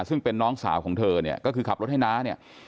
ซึ่งเป็นน้องสาวของเธอเนี่ยก็คือขับรถให้น้าเนี่ย